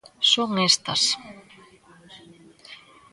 Son estas.